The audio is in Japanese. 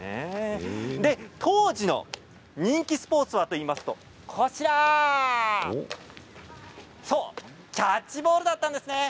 当時の人気スポーツはといいますとキャッチボールだったんですね。